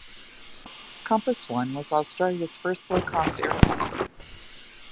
Compass I was Australia's first low cost airline.